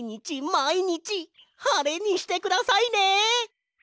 まいにちはれにしてくださいね。